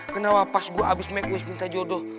kenapa pas gue abis make wis minta jodoh